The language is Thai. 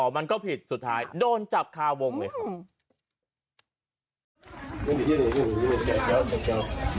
มันก็ผิดสุดท้ายโดนจับคาวงเลย